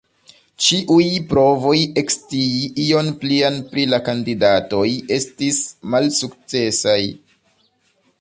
Ĉiuj provoj ekscii ion plian pri la kandidatoj estis malsukcesaj.